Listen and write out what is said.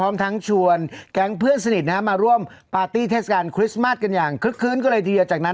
มาร่วมปาร์ตี้เทศกาลคริสต์มาสกันอย่างครึ่งก็เลยทีเดียวจากนั้น